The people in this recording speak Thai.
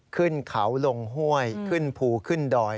ขึ้นเขาลงห้วยขึ้นภูขึ้นดอย